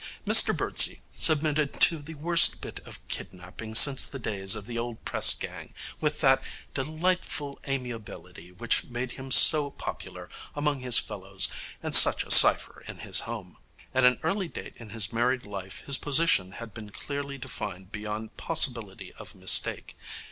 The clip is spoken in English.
Mr Birdsey submitted to the worst bit of kidnapping since the days of the old press gang with that delightful amiability which made him so popular among his fellows and such a cypher in his home. At an early date in his married life his position had been clearly defined beyond possibility of mistake.